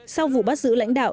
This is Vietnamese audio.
sau vụ bắt giữ lãnh đạo